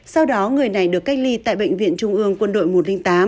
sau đó người này được cách ly tại bệnh viện trung ương quân đội một trăm linh tám